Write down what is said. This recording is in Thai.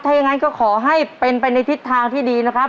ถ้าอย่างนั้นก็ขอให้เป็นไปในทิศทางที่ดีนะครับ